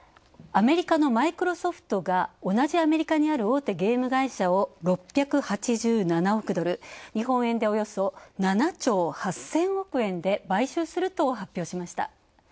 アメリカのマイクロソフトが、同じアメリカにある大手ゲーム会社を６８７億ドル、日本円でおよそ７兆８０００億円で買収すると発表しました。